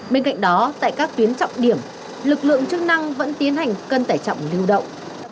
bên cạnh đó tại các tuyến trọng điểm lực lượng chức năng vẫn tiến hành cân tải trọng lưu động